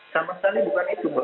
sama sekali bukan itu